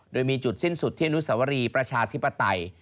โดยมีจุดสิ้นสุดที่อนุสวรีประชาธิปไตย